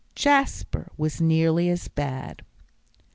Jasper was nearly as bad.